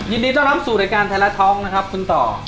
อันนี้จะรับสู่รายการแถลท้องนะครับคุณต่อ